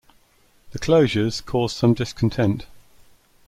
The closures caused some discontent.